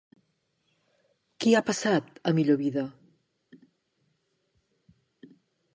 Qui ha passat a millor vida?